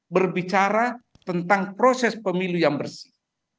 berbicara tentang proses pemilu yang bersih